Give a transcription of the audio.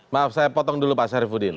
maaf saya potong dulu pak syarifudin